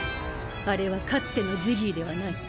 あれはかつてのジギーではない。